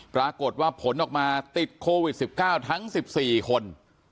ปรากฏว่าผลออกมาติดโควิด๑๙ทั้ง๑๔คน